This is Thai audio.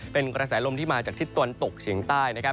เป็นกระแสลมที่มาจากทิศตะวันตกเฉียงใต้นะครับ